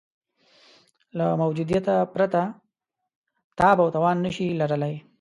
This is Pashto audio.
له موجودیته پرته تاب او توان نه شي لرلای.